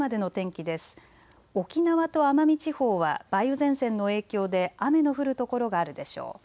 沖縄と奄美地方は梅雨前線の影響で雨の降る所があるでしょう。